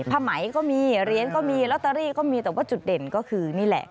ผ้าไหมก็มีเหรียญก็มีลอตเตอรี่ก็มีแต่ว่าจุดเด่นก็คือนี่แหละ